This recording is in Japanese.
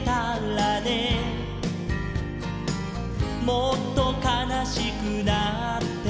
「もっとかなしくなって」